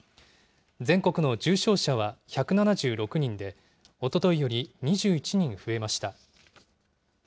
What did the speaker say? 全国の重症者は１７６人で、おとといより２１人増えました。